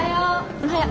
おはよう。